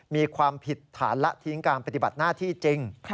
มีความผิดฐานละทิ้งการปฏิบัติหน้าที่จริง